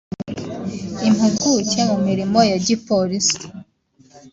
Impuguke mu mirimo ya Gipolisi